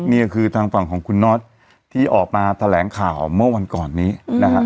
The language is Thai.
นี่คือทางฝั่งของคุณน็อตที่ออกมาแถลงข่าวเมื่อวันก่อนนี้นะฮะ